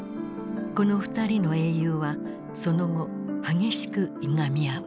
この二人の英雄はその後激しくいがみ合う。